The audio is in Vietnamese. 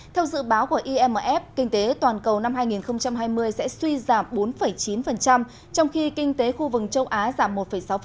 theo dự báo của imf kinh tế toàn cầu năm hai nghìn hai mươi sẽ suy giảm bốn chín trong khi kinh tế khu vực châu á giảm một sáu